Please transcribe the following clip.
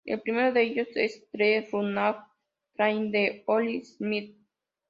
El primero de ellos es "The Runaway Train" de "Oli Smith".